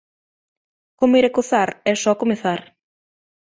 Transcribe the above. Comer e cozar é só comezar.